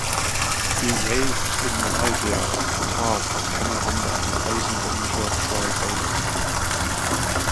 He raced in Malaysia and Qatar for Camel Honda, replacing the injured Troy Bayliss.